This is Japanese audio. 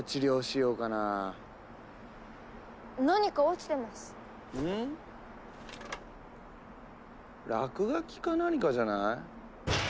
落書きか何かじゃない？